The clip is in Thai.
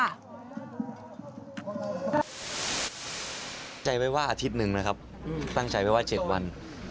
ใจไว้ว่าอาทิตย์หนึ่งนะครับตั้งใจไว้ว่า๗วัน